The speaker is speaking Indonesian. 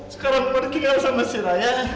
sekarang aku mau ditinggal sama si raya